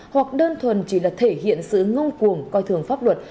hoặc đơn thuần chỉ là thể hiện sự ngông cuồng coi thường pháp luật